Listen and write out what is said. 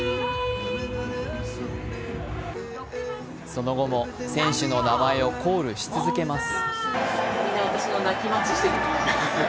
その後も選手の名前をコールし続けます